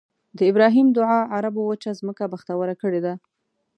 د ابراهیم دعا عربو وچه ځمکه بختوره کړې ده.